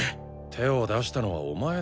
手を出したのはお前だろう？